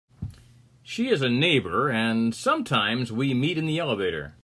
She is a neighbour, and sometimes we meet in the elevator.